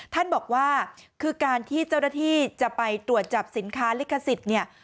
ท่านบอกว่าคือการที่เจ้าหน้าที่จะไปตรวจจับสินค้าลิขสิทธิ์เนี่ย